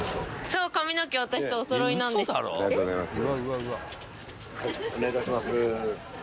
ありがとうございます。